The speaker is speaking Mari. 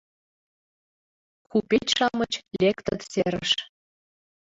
Купеч-шамыч лектыт серыш